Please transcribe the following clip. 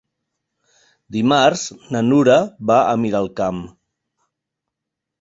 Dimarts na Nura va a Miralcamp.